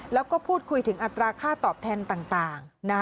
แล้วก็พูดคุยถึงอัตราค่าตอบแทนต่าง